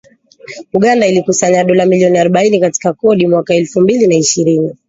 Uganda ilikusanya dola milioni arobaini katika kodi mwaka elfu mbili na ishirini